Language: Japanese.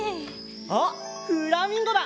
あっフラミンゴだ！